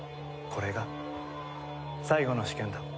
これが最後の試験だ。